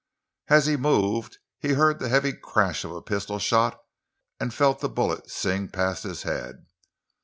As he moved he heard the heavy crash of a pistol shot and felt the bullet sing past his head.